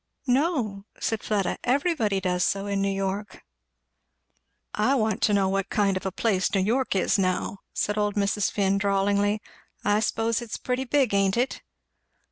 "No," said Fleda; "everybody does so in New York." "I want to know what kind of a place New York is, now," said old Mrs. Finn drawlingly. "I s'pose it's pretty big, ain't it?"